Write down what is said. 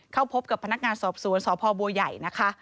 เข้าพบกับพนักงานสอบสวนสพบัวใหญ่นะคะ